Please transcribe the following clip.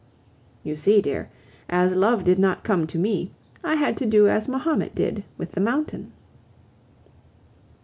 You see, dear, as love did not come to me, I had to do as Mahomet did with the mountain.